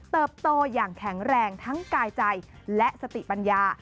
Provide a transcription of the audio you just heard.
โตอย่างแข็งแรงทั้งกายใจและสติปัญญา